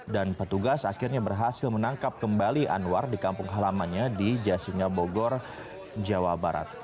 dan petugas akhirnya berhasil menangkap kembali anwar di kampung halamannya di jasinabogor jawa barat